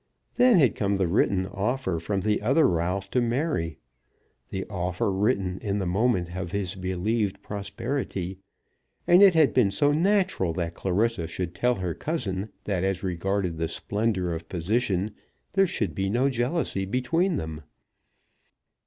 Then had come the written offer from the other Ralph to Mary, the offer written in the moment of his believed prosperity; and it had been so natural that Clarissa should tell her cousin that as regarded the splendour of position there should be no jealousy between them.